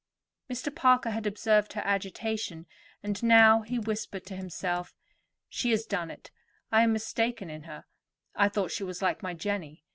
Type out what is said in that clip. Mr. Parker had observed her agitation and he now whispered to himself. "She has done it; I am mistaken in her. I thought she was like my Jenny.